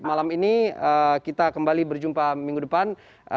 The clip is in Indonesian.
malam ini kita kembali berjumpa minggu depan